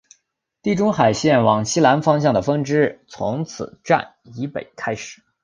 地中海线往西南方向的分支从此站以北开始。